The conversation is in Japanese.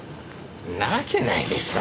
んなわけないでしょう。